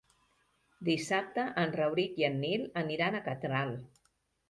Dissabte en Rauric i en Nil aniran a Catral.